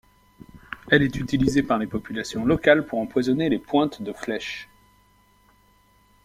Elle est utilisée par les populations locales pour empoisonner les pointes de flèches.